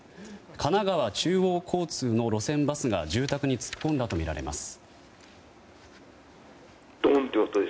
神奈川中央交通の路線バスが住宅に突っ込んだとみられます。